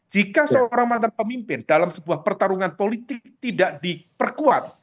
jika seorang mantan pemimpin dalam sebuah pertarungan politik tidak diperkuat